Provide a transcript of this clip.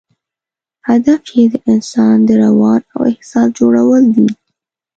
هدف یې د انسان د روان او احساس جوړول دي.